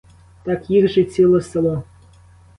Так їх же ціле село.